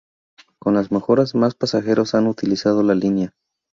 Con las mejoras, más pasajeros han utilizado la línea.